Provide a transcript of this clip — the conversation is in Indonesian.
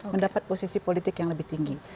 mendapat posisi politik yang lebih tinggi